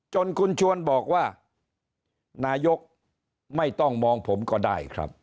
จนคุณชวนบอกว่านายกไม่ต้องมองผมก็ได้ครับ